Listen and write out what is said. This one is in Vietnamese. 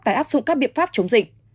tài áp dụng các biện pháp chống dịch